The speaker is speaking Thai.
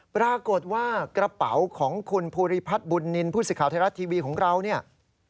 ปรากฏว่ากระเป๋าของคุณภูริพัฒน์บุญนินทร์ผู้สื่อข่าวไทยรัฐทีวีของเราเนี่ย